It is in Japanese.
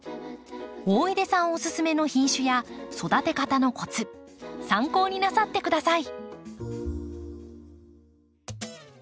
大出さんおすすめの品種や育て方のコツ参考になさってください。